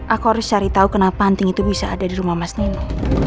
aku harus cari tahu kenapa panting itu bisa ada di rumah mas neno